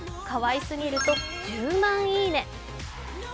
かわいすぎると１０万いいね。